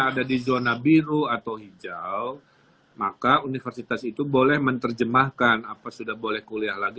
ada di zona biru atau hijau maka universitas itu boleh menerjemahkan apa sudah boleh kuliah lagi